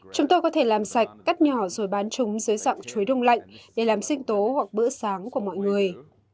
chúng tôi có thể làm sạch cắt nhỏ rồi bán chúng dưới dạng chuối đông lạnh để làm sinh tố hoặc bữa sáng của mọi người